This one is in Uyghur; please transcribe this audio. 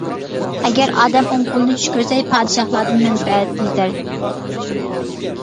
ئەگەر ئادەم ئوڭ قولىنى چۈش كۆرسە پادىشاھلاردىن مەنپەئەت يېتەر.